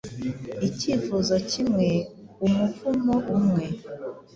icyifuzo kimwe umuvumo umwe,